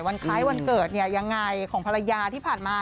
คล้ายวันเกิดเนี่ยยังไงของภรรยาที่ผ่านมา